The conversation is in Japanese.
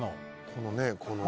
「このねこの」